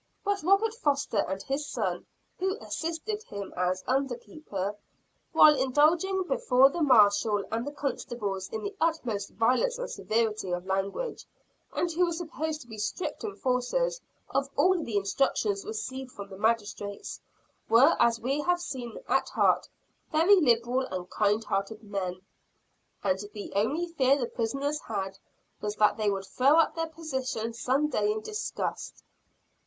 But Robert Foster and his son, who assisted him as under keeper, while indulging before the marshal and the constables in the utmost violence and severity of language, and who were supposed to be strict enforcers of all the instructions received from the magistrates, were as we have seen, at heart, very liberal and kind hearted men. And the only fear the prisoners had, was that they would throw up their positions some day in disgust.